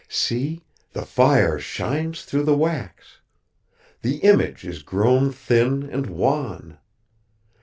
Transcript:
"See, the fire shines through the wax! The image is grown thin and wan.